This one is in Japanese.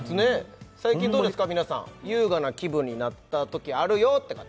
最近どうですか皆さん優雅な気分になったときあるよって方？